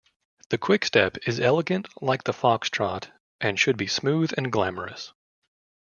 The quickstep is elegant like the foxtrot and should be smooth and glamorous.